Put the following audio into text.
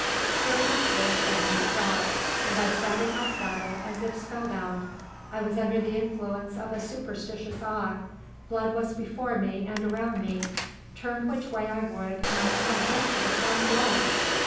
Here my horse suddenly stopped, and I sat in my saddle as if spell bound. I was under the influence of a superstitious awe. Blood was before me and around me. Turn which way I would, my eye rested upon blood!